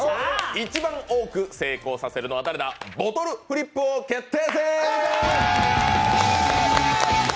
一番多く成功させるのは誰だ、ボトルフリップ王決定戦。